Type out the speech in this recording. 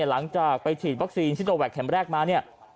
หลังจากไปฉีดวัคซีนดด์ซีโนแวคแขมแรกมา